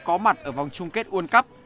có mặt ở vòng chung kết world cup